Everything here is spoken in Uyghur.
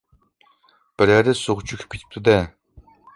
بىرەرى سۇغا چۆكۈپ كېتىپتۇ-دە؟